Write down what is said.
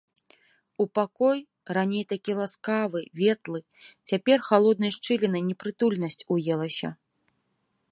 У пакой, раней такі ласкавы, ветлы, цяпер халоднай шчылінай непрытульнасць уелася.